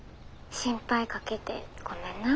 心配かけてごめんな。